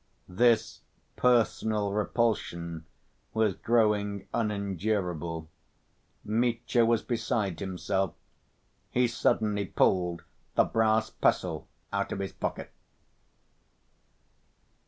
... This personal repulsion was growing unendurable. Mitya was beside himself, he suddenly pulled the brass pestle out of his pocket.